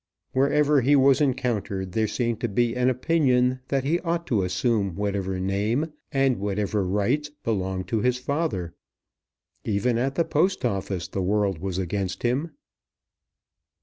Wherever he was encountered there seemed to be an opinion that he ought to assume whatever name and whatever rights belonged to his father. Even at the Post Office the world was against him.